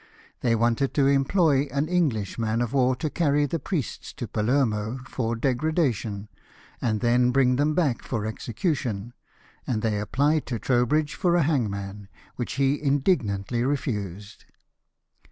They wanted to employ an English man of war to carry the priests to Palermo, for degradation, and then bring them back for execution, and they applied to Trow bridge for a hangman, which he indignantly refused.